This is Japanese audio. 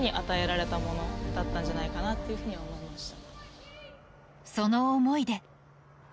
だったんじゃないかなっていうふうに思いました。